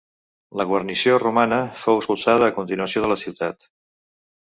La guarnició romana fou expulsada a continuació de la ciutat.